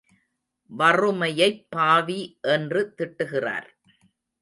வறுமையைப் பாவி என்று திட்டுகிறார்.